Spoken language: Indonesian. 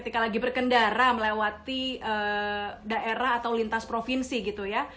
ketika lagi berkendara melewati daerah atau lintas provinsi gitu ya